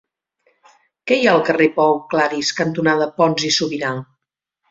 Què hi ha al carrer Pau Claris cantonada Pons i Subirà?